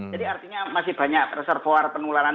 jadi artinya masih banyak reservoir penularan